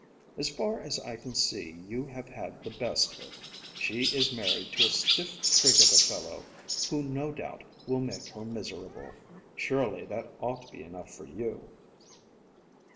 As far as I can see you have had the best of it. She is married to a stiff prig of a fellow, who no doubt will make her miserable. Surely that ought to be enough for you."